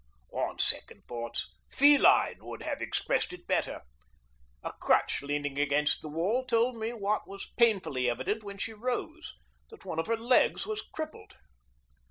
On second thoughts, feline would have expressed it better. A crutch leaning against the wall told me what was painfully evident when she rose: that one of her legs was crippled.